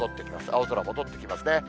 青空戻ってきますね。